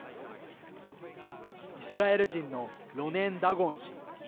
イスラエル人のロネン・ダゴン氏。